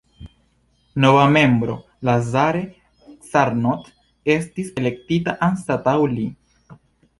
Nova membro, Lazare Carnot, estis elektita anstataŭ li.